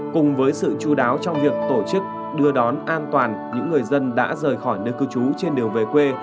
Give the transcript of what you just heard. cùng với sự chú đáo trong việc tổ chức đưa đón an toàn những người dân đã rời khỏi nơi cư trú trên đường về quê